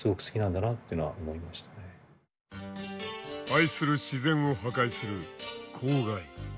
愛する自然を破壊する公害。